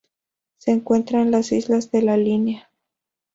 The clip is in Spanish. Se encuentran en las Islas de la Línea.